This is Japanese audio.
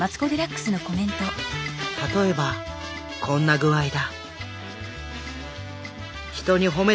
例えばこんな具合だ。